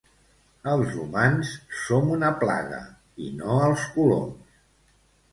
Els humans som una plaga i no els coloms